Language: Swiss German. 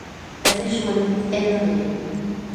Es ìsch mìr nìtt einerlei.